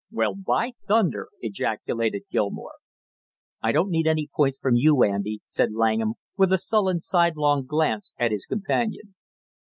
"Well, by thunder!" ejaculated Gilmore. "I don't need any points from you, Andy!" said Langham, with a sullen sidelong glance at his companion.